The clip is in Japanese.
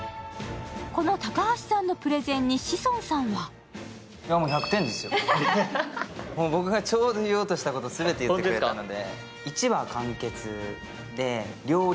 この高橋さんのプレゼンに志尊さんは僕がちょうど言おうとしたこと全て言ってくれたので。